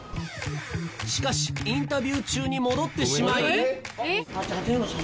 しかしインタビュー中に戻ってしまい。